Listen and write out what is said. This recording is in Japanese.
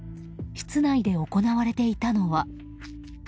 室内で行われていたのは。